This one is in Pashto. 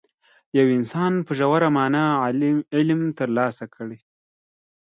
یو انسان په ژوره معنا علم ترلاسه کړي.